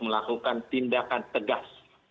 melakukan tindakan tegas